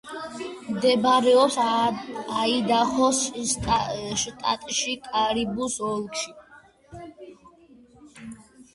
მდებარეობს აიდაჰოს შტატში, კარიბუს ოლქში.